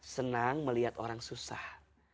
senang melihat orang susah